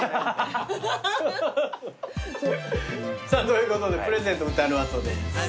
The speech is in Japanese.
さぁということでプレゼント歌の後です。